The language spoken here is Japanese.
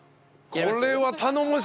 これは頼もしい！